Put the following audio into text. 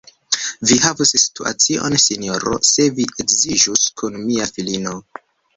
Vi havus situacion, sinjoro, se vi edziĝus kun mia filino.